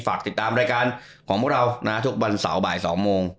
ฝากติดตามรายการของพวกเรานะทุกวันเสาร์บ่าย๒โมง